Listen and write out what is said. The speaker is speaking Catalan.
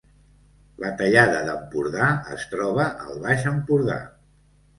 La Tallada d’Empordà es troba al Baix Empordà